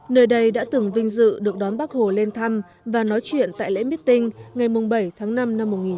nơi đây đã từng vinh dự được đón bác hồ lên thăm và nói chuyện tại lễ miết tinh ngày bảy tháng năm năm một nghìn chín trăm năm mươi chín